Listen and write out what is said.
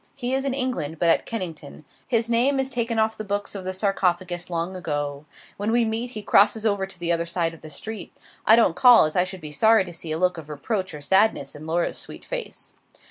He is in England; but at Kennington. His name is taken off the books of the 'Sarcophagus' long ago. When we meet, he crosses over to the other side of the street; I don't call, as I should be sorry to see a look of reproach or sadness in Laura's sweet face.